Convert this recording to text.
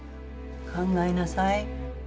考えなさい。